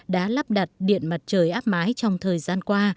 đã lắp đặt điện mặt trời áp mái trong thời gian qua